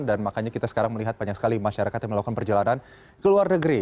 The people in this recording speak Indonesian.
dan makanya kita sekarang melihat banyak sekali masyarakat yang melakukan perjalanan ke luar negeri